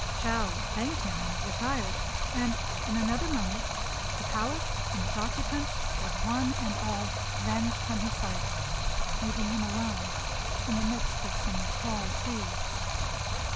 Shao thanked him and retired; and in another moment the palace and its occupants had one and all vanished from his sight, leaving him alone in the midst of some tall trees.